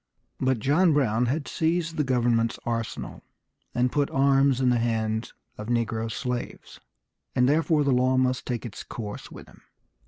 But John Brown had seized the government's arsenal, and put arms in the hands of negro slaves, and therefore the law must take its course with him.